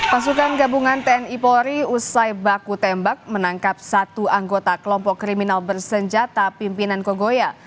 pasukan gabungan tni polri usai baku tembak menangkap satu anggota kelompok kriminal bersenjata pimpinan kogoya